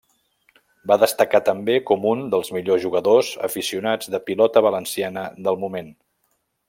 Va destacar també com un dels millors jugadors aficionats de Pilota Valenciana del moment.